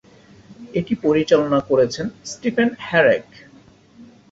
এটি পরিচালনা করেছেন স্টিফেন হেরেক।